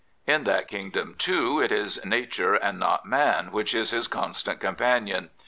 In tliat kingdom, too, it is nature and not man which is his constant companion.